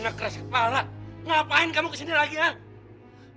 anak keras kepala ngapain kamu kesini lagi ya